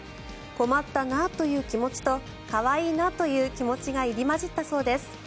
困ったなという気持ちと可愛いなという気持ちが入り交じったそうです。